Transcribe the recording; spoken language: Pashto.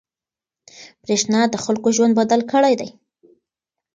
برېښنا د خلکو ژوند بدل کړی دی.